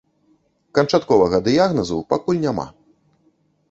Канчатковага дыягназу пакуль няма.